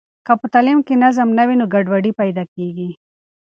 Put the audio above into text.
که په تعلیم کې نظم نه وي نو ګډوډي پیدا کېږي.